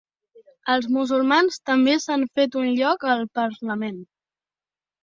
Els musulmans també s'han fet un lloc al parlament.